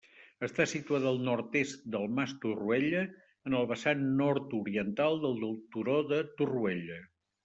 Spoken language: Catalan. Està situada al nord-est del Mas Torroella, en el vessant nord-oriental del Turó de Torroella.